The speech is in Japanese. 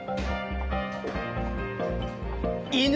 犬？